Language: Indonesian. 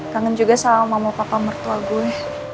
kangen juga sama mama papa mertua gue